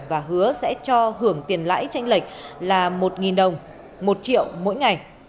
và hứa sẽ cho hưởng tiền lãi tranh lệch là một đồng một triệu mỗi ngày